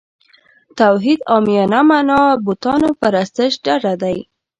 توحید عامیانه معنا بوتانو پرستش ډډه دی.